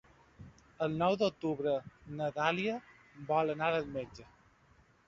El nou d'octubre na Dàlia vol anar al metge.